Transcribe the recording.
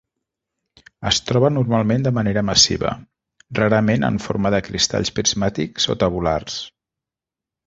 Es troba normalment de manera massiva; rarament en forma de cristalls prismàtics o tabulars.